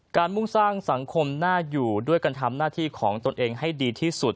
มุ่งสร้างสังคมน่าอยู่ด้วยการทำหน้าที่ของตนเองให้ดีที่สุด